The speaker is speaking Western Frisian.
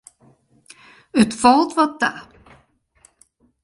It falt wat ta.